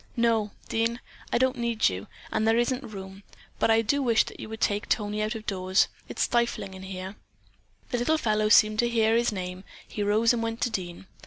"No, Dean, I don't need you, and there isn't room; but I do wish that you would take Tony out of doors. It is stifling here." The little fellow seemed to hear his name. He rose and went to Dean.